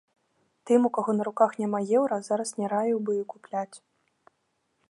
Тым, у каго на руках няма еўра, зараз не раіў бы і купляць.